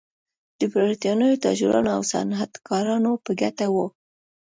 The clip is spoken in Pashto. د برېټانوي تاجرانو او صنعتکارانو په ګټه و.